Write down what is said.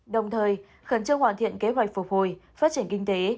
đồng thời khẩn trương hoàn thiện kế hoạch phục hồi phát triển kinh tế